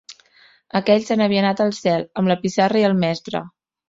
Aquell se'n havia anat al cel, am la pissarra i el mestre